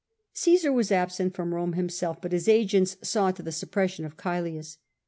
Caesar was absent from Rome himself, but his agents saw to the suppression of Caelius.